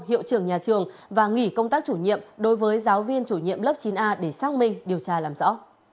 hiệu trưởng nhà trường và nghỉ công tác chủ nhiệm đối với giáo viên chủ nhiệm lớp chín a để xác minh điều tra làm rõ